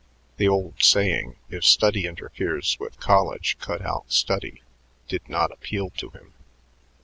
The old saying, "if study interferes with college, cut out study," did not appeal to him.